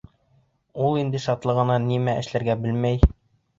Ул инде шатлығынан нимә эшләргә лә белмәй.